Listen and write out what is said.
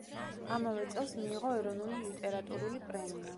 ამავე წელს მიიღო ეროვნული ლიტერატურული პრემია.